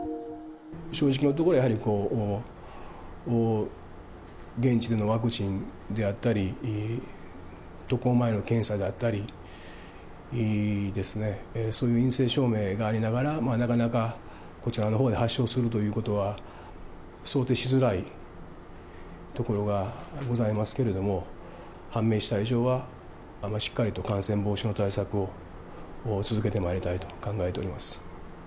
正直なところやはり、現地でのワクチンであったり、渡航前の検査であったり、そういう陰性証明がありながら、なかなかこちらのほうで発症するということは、想定しづらいところがございますけれども、判明した以上は、しっかりと感染防止の対策を続けてまいりたいと考えております。